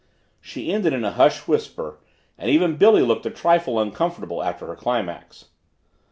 She ended in a hushed whisper and even Billy looked a trifle uncomfortable after her climax.